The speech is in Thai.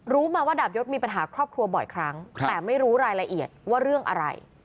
รู้มาว่าดาบยศมีปัญหาครอบครัวบ่อยครั้งแต่ไม่รู้รายละเอียดว่าเรื่องอะไร